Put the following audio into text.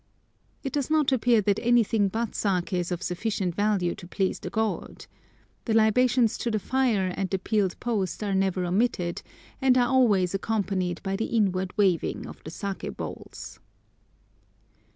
It does not appear that anything but saké is of sufficient value to please the gods. The libations to the fire and the peeled post are never omitted, and are always accompanied by the inward waving of the saké bowls.